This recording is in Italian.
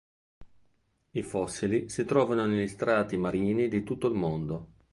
I fossili si trovano negli strati marini di tutto il mondo.